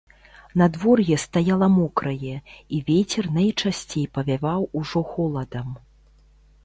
Надвор'е стаяла мокрае, і вецер найчасцей павяваў ужо холадам.